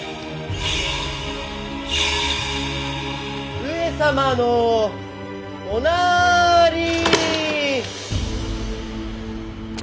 上様のおなーりー！